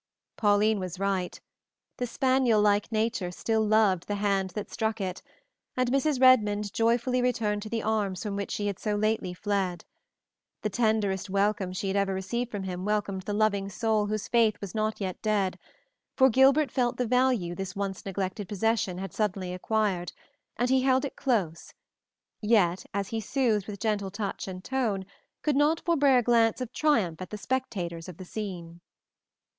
Pauline was right. The spaniel like nature still loved the hand that struck it, and Mrs. Redmond joyfully returned to the arms from which she had so lately fled. The tenderest welcome she had ever received from him welcomed the loving soul whose faith was not yet dead, for Gilbert felt the value this once neglected possession had suddenly acquired, and he held it close; yet as he soothed with gentle touch and tone, could not forbear a glance of triumph at the spectators of the scene.